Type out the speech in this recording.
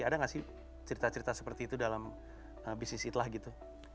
ada nggak sih cerita cerita seperti itu dalam bisnis itlah gitu